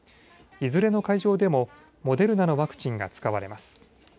いずれの会場でもモデルナのワクチンが使われます。